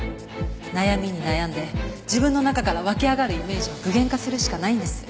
悩みに悩んで自分の中から湧き上がるイメージを具現化するしかないんです。